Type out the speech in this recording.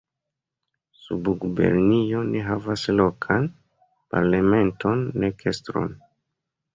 Subgubernio ne havas lokan parlamenton nek estron.